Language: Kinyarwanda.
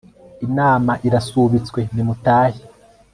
inama irasubitswe ni mutahe